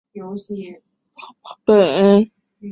台湾由青文出版社代理出版漫画单行本。